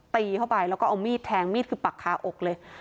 ตีเข้าไปแล้วก็เอามีดแทงมีดคือปักคาอกเลย